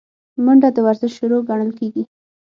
منډه د ورزش شروع ګڼل کېږي